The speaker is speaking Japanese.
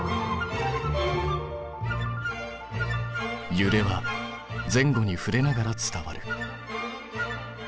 ゆれは前後にふれながら伝わる。